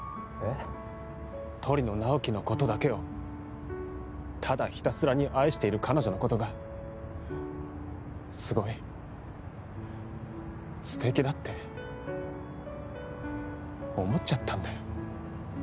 鳥野直木のことだけを、ただひたすらに愛している彼女のことがすごいすてきだって思っちゃったんだよ。